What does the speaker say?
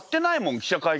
記者会見